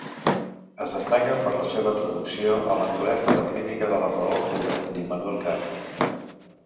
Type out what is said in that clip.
Es destaca per la seva traducció a l'anglès de la "Crítica de la raó pura", d'Immanuel Kant.